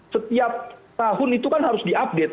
setiap tahun itu kan harus diupdate